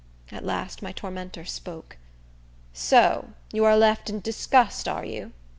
At last my tormentor spoke. "So you are left in disgust, are you?"